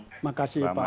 terima kasih pak